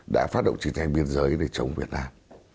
đã phát động chiến tranh biên giới để chống việt nam